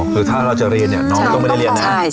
คือถ้าเราจะเรียนเนี่ยน้องก็ไม่ได้เรียนนะ